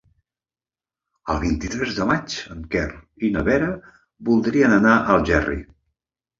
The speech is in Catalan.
El vint-i-tres de maig en Quer i na Vera voldrien anar a Algerri.